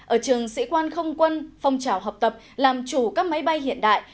ở trường sĩ quan không quân phong trào học tập làm chủ các máy bay hiện đại